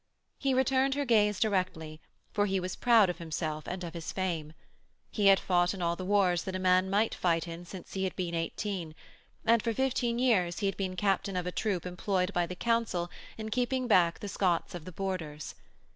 He returned her gaze directly, for he was proud of himself and of his fame. He had fought in all the wars that a man might fight in since he had been eighteen, and for fifteen years he had been captain of a troop employed by the Council in keeping back the Scots of the Borders.